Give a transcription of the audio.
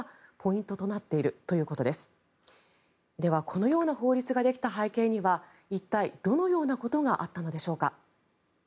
このような法律ができた背景には一体、どのようなことがあったのでしょうか。